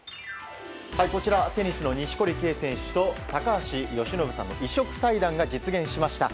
こちら、テニスの錦織圭選手と高橋由伸さんの異色対談が実現しました。